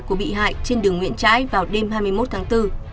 của bị hại trên đường nguyễn trãi vào đêm hai mươi một tháng bốn